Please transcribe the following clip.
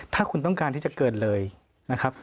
ถ้าคุณต้องการที่จะเกินเลยนะครับ